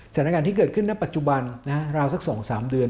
สถานการณ์ที่เกิดขึ้นณปัจจุบันราวสัก๒๓เดือน